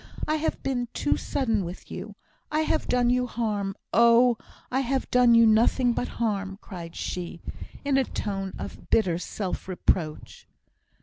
I have been too sudden with you! I have done you harm oh! I have done you nothing but harm," cried she, in a tone of bitter self reproach.